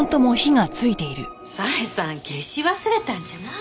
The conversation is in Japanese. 小枝さん消し忘れたんじゃない？